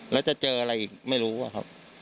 แล้วจะเจออะไรอีกไม่รู้อะครับ